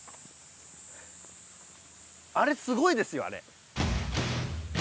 あれすごいですよあれ。